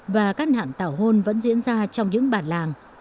và các nạn tảo hôn vẫn diễn ra trong những bản làng